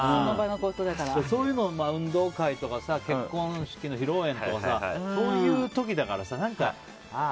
そういうの、運動会とか結婚式の披露宴とかさそういう時だからさああ